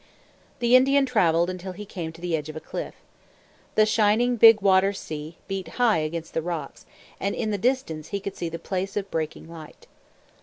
The Indian traveled until he came to the edge of a cliff. The Shining Big Sea Water beat high against the rocks, and in the distance he could see the Place of Breaking Light.